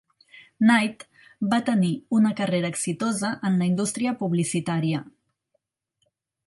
Knight va tenir una carrera exitosa en la indústria publicitària.